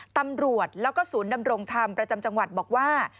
ตำรวจแล้วก็ศูนย์ดำรงธรรมประจำจังหวัดบอกว่า